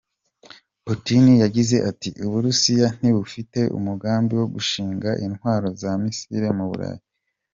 Putin yagize, ati: “Uburusiya ntibufite umugambi wo gushinga intwaro za misile mu Bulayi.